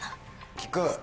聞く？